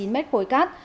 chín m khối cát